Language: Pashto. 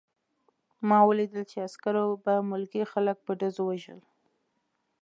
ما ولیدل چې عسکرو به ملکي خلک په ډزو وژل